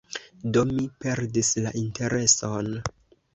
Do, mi perdis la intereson.